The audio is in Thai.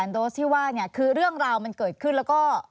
โดสที่ว่าคือเรื่องราวมันเกิดขึ้นแล้วก็